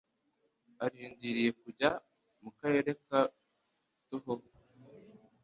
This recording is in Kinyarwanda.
Arindiriye kujya mu karere ka Tohoku